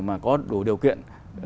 mà có đủ điều kiện